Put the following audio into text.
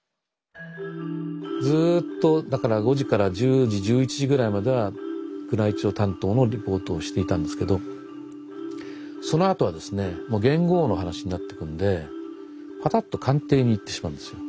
ずっとだから５時から１０時１１時ぐらいまでは宮内庁担当のリポートをしていたんですけどそのあとはですねもう元号の話になってくんでパタッと官邸に行ってしまうんですよ。